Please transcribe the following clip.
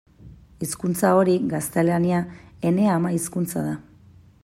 Hizkuntza hori, gaztelania, ene ama-hizkuntza da.